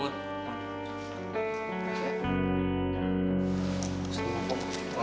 masih di ngapain